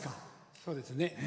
そうですね。